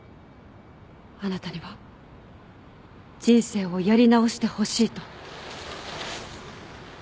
あなたには人生をやり直してほしいと。